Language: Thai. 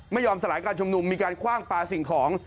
สลายการชุมนุมมีการคว่างปลาสิ่งของ